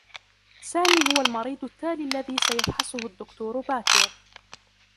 سامي هو المريض التّالي الذي سفحصه الدّكتور باكر.